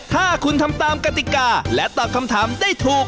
ถ้าคุณทำตามกติกาและตอบคำถามได้ถูก